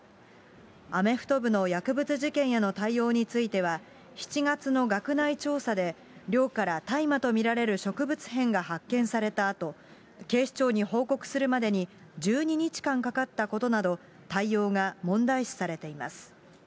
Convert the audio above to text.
アメフト部の薬物事件への対応については、７月の学内調査で寮から大麻と見られる植物片が発見されたあと、警視庁に報告するまでに１２日間かかったことなど、対応が問題視されています。